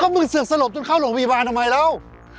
ก็มึงเสือกสลบจนเข้าหลวงบีบานทำไมแล้ว